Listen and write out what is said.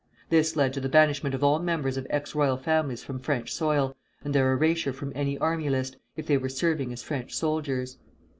This led to the banishment of all members of ex royal families from French soil, and their erasure from the army list, if they were serving as French soldiers.